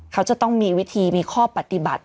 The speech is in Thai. เขาจะต้องมีวิธีมีข้อปฏิบัติ